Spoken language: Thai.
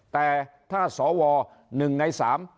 แต่ถ้าสว๑ใน๓